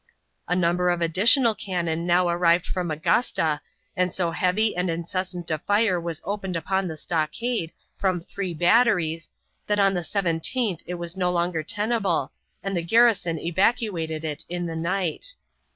A number of additional cannon now arrived from Augusta, and so heavy and incessant a fire was opened upon the stockade from three batteries that on the 17th it was no longer tenable, and the garrison evacuated it in the night.